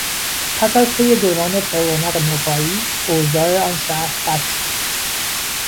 پس از طی دوران پررونق نوپایی، اوضاع آن شهر بد شد.